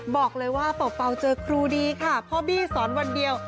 บอกเลยว่าเป่าเจอครูดีค่ะพ่อบี้สอนวันเดียว